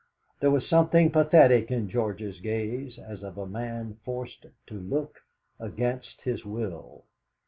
There was something pathetic in George's gaze, as of a man forced to look against his will.